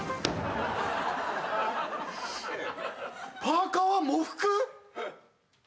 パーカは喪服！？